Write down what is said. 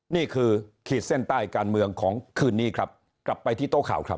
นี่คือขีดเส้นใต้การเมืองของคืนนี้ครับกลับไปที่โต๊ะข่าวครับ